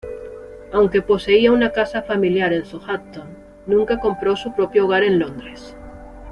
Aunque poseía una casa familiar en Southampton, nunca compró su propio hogar en Londres.